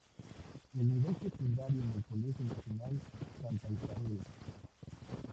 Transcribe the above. El nivel secundario en el Colegio Nacional Santa Isabel.